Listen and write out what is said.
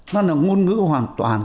nó là ngôn ngữ hoàn toàn